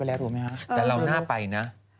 แต่เราน่าไปนะ